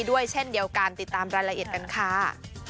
ด้วยเช่นเดียวกันติดตามรายละเอียดกันค่ะ